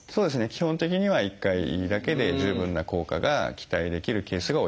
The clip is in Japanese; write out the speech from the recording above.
基本的には１回だけで十分な効果が期待できるケースが多いです。